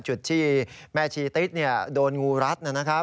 จุดที่แม่ชีติ๊ดโดนงูรัดนะครับ